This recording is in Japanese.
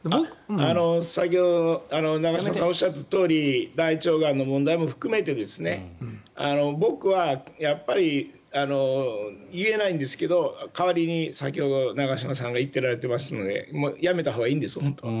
先ほどの長嶋さんがおっしゃったとおり大腸がんの問題も含めて僕は、言えないんですけど代わりに先ほど長嶋さんが言っておられますのでやめたほうがいいんです本当は。